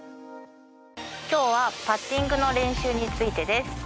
今日はパッティングの練習についてです。